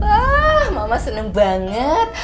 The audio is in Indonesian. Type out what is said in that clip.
wah mama seneng banget